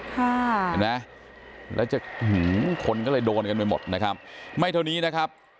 เห็นไหมแล้วจะคนก็เลยโดนกันไปหมดนะครับไม่เท่านี้นะครับ